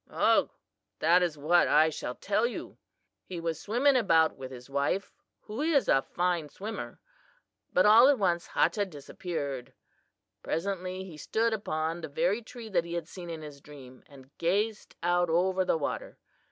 "Ugh, that is what I shall tell you. He was swimming about with his wife, who was a fine swimmer; but all at once Hachah disappeared. Presently he stood upon the very tree that he had seen in his dream, and gazed out over the water.